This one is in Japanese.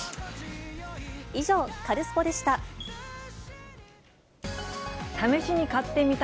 以上、カルスポっ！でした。